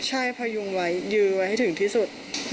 ใช่พยุงไว้ยื้อไว้ให้ถึงที่สุด